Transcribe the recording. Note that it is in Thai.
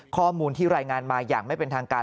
ข้อมูลที่รายงานมาอย่างไม่เป็นทางการ